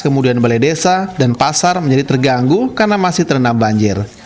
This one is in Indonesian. kemudian balai desa dan pasar menjadi terganggu karena masih terendam banjir